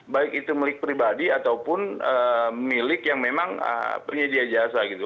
baik itu milik pribadi ataupun milik yang memang penyedia jasa gitu